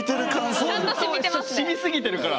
相当しみすぎてるから。